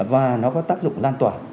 và nó có tác dụng lan tỏa